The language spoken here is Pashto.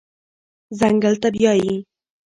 ځنګل ته بیایي